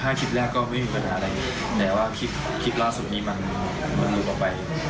ตอนแรก๔๕คลิปแรกก็ไม่มีปัญญาอะไรแต่ว่าคลิปล่าสุดนี้มันลืมออกไป